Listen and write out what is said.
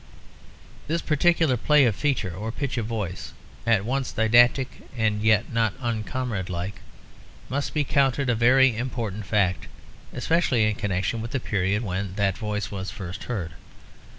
This particular play of feature or pitch of voice, at once didactic and yet not uncomrade like, must be counted a very important fact, especially in connection with the period when that voice was first heard.